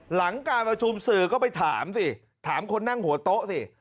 หลังการประชุมสื่อก็ไปถามสิถามคนนั่งหัวโต๊ะสิ